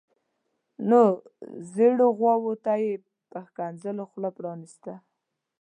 نو زیړو غواوو ته یې په ښکنځلو خوله پرانیستله.